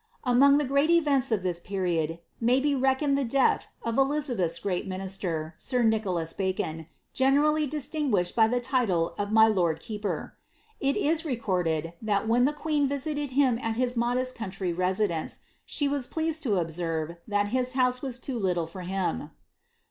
Among the great events of this period, may be reckoned the death of Elizabeth's great minister. Sir Nicholas Bacon, generally distinguished by the title of my lord keeper. Il is recorded, that when the queen visited him at his modest country residence, she was pleased to observe that his house was loo liltle for him.